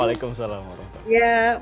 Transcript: waalaikumsalam warahmatullahi wabarakatuh